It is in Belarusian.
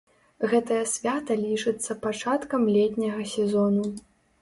Гэтае свята лічыцца пачаткам летняга сезону.